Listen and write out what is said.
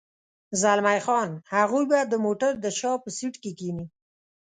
زلمی خان: هغوی به د موټر د شا په سېټ کې کېني.